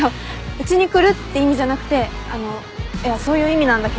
うちに来るって意味じゃなくてあのいやそういう意味なんだけど。